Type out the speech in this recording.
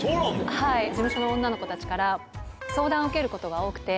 はい事務所の女の子たちから相談を受けることが多くて。